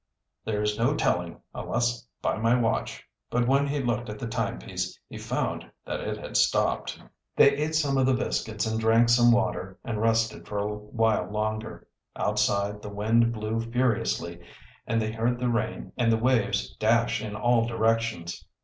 "There is no telling, unless by my watch." But when he looked at the timepiece, he found that it had stopped. They ate some of the biscuits and drank some water and rested for a while longer. Outside the wind blew furiously and they heard the rain and the waves dash in all directions.